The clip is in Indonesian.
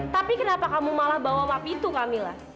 tapi kenapa kamu malah bawa map itu kamilah